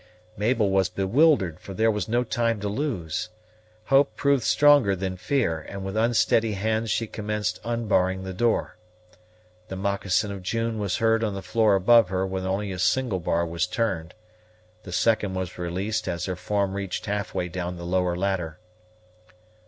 Mabel was bewildered, for there was no time to lose. Hope proved stronger than fear; and with unsteady hands she commenced unbarring the door. The moccasin of June was heard on the floor above her when only a single bar was turned. The second was released as her form reached half way down the lower ladder.